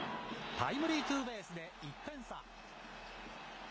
タイムリーツーベースで１点差。